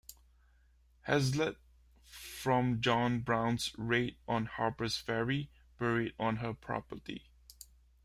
Hazlett, from John Brown's raid on Harpers Ferry, buried on her property.